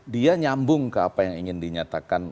dia nyambung ke apa yang ingin dinyatakan